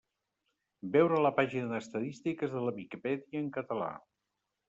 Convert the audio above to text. Veure la pàgina d'Estadístiques de la Viquipèdia en català.